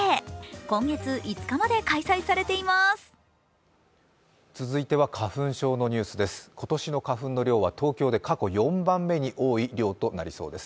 今月５日まで開催されています。